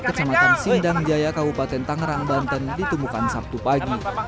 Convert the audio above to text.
kecamatan sindang jaya kabupaten tangerang banten ditemukan sabtu pagi